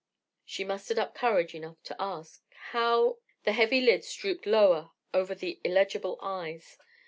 She mustered up courage enough to ask: "How—?" The heavy lids drooped lower over the illegible eyes.